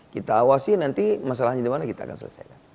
kita awasi nanti masalahnya dimana kita akan selesaikan